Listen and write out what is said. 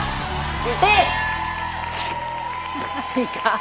ตี